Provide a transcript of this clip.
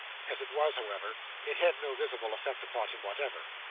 As it was, however, it had no visible effect on him whatever.